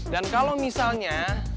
dan kalau misalnya